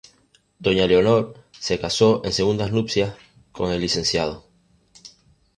Doña Leonor casó en segundas nupcias con el Lcdo.